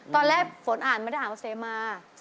ตอนแรกฝนอ่านไม่ได้หาว่าเสมา